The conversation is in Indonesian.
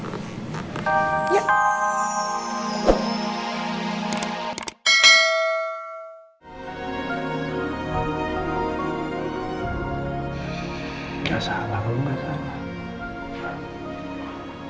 gak salah kamu gak salah